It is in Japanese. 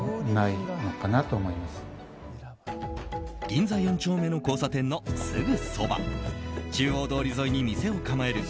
銀座４丁目の交差点のすぐそば中央通り沿いに店を構える